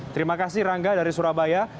terima kasih rangga dari surabaya